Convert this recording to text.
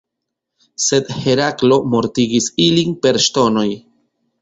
Sed Heraklo mortigis ilin per ŝtonoj.